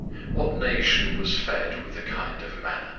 What nation was fed with a kind of Manna?